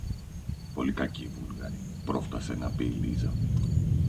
Ναι, γιατί είναι πολύ κακοί οι Βούλγαροι, πρόφθασε να πει η Λίζα.